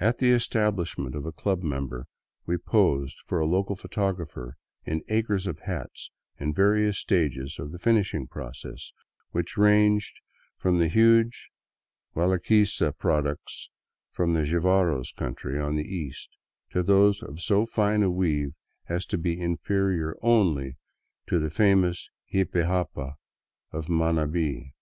At the establishment of a club member we posed for a local photographer in acres of hats, in various stages of the finishing process, which ranged from the huge Gualaquiza products from the Jivaros country on the east, to those of so fine a weave as to be inferior only to the famous jipijapa of Manabi.